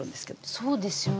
そうですよね。